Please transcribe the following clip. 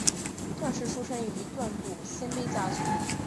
段氏出身于段部鲜卑家族。